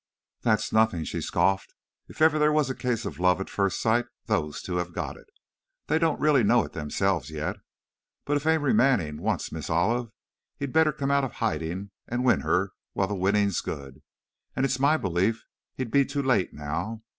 "That's nothing," she scoffed; "if ever there was a case of love at first sight, those two have got it! They don't really know it themselves yet, but if Amory Manning wants Miss Olive, he'd better come out of hiding and win her while the winning's good! And it's my belief he'd be too late now!